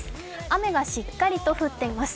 雨がしっかりと降っています。